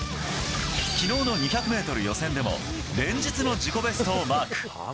昨日の２００ｍ予選でも連日の自己ベストをマーク。